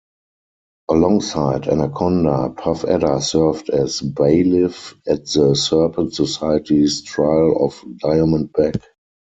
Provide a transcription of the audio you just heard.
Alongside Anaconda, Puff Adder served as bailiff at the Serpent Society's trial of Diamondback.